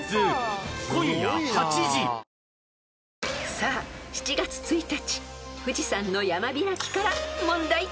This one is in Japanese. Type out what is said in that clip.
［さあ７月１日富士山の山開きから問題］